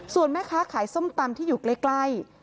ส่วนแม่ค้าขายส้มตำที่อยู่ใกล้